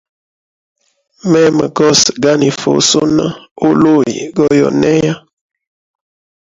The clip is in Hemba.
Mema gose ganifa usuna aluyi go yuma.